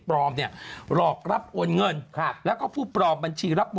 บอกได้ทุกวัดสั่งพระสั่งนู่นสั่งเรนสั่ง